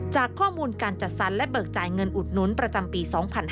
จากข้อมูลการจัดสรรและเบิกจ่ายเงินอุดหนุนประจำปี๒๕๕๙